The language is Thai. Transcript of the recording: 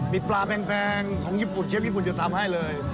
มีปลาแพงของญี่ปุ่นเชฟญี่ปุ่นจะทำให้เลย